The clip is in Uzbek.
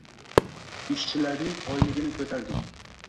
Ishchilarning oyligini ko`tardik